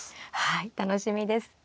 はい楽しみです。